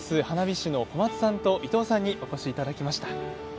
花火師の小松さんと伊藤さんにお越しいただきました。